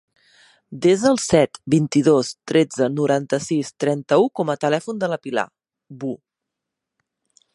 Desa el set, vint-i-dos, tretze, noranta-sis, trenta-u com a telèfon de la Pilar Wu.